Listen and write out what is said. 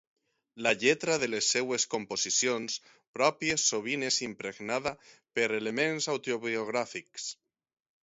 La lletra de les seves composicions pròpies sovint és impregnada per elements autobiogràfics.